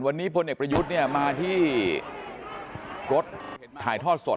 วันนี้พลเน็ตประยุทธ์มาที่รถถ่ายทอดสด